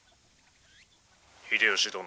「秀吉殿」。